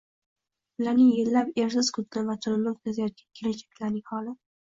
Ularning, yillab ersiz kunini va tunini o‘tkazayotgan kelinchaklarning holi